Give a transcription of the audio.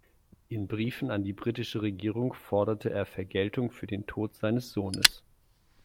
In Briefen an die britische Regierung forderte er Vergeltung für den Tod seines Sohnes.